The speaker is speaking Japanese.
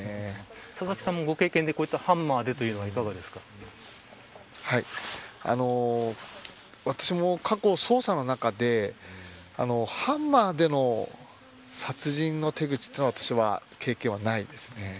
佐々木さんもご経験で、ハンマーでというのは私も過去、捜査の中でハンマーでの殺人の手口というのは私は経験はないです。